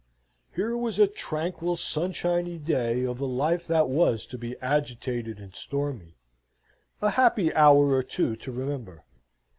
Here was a tranquil, sunshiny day of a life that was to be agitated and stormy a happy hour or two to remember.